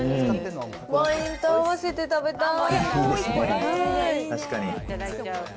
ワインと合わせて食べたい。